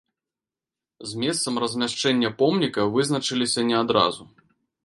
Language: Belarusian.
З месцам размяшчэння помніка вызначыліся не адразу.